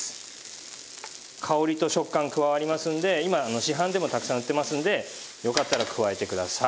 香りと食感加わりますので今市販でもたくさん売ってますのでよかったら加えてください。